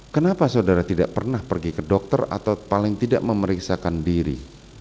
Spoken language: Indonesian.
kenapa saudara tidak pernah pergi ke dokter atau paling tidak memeriksakan diri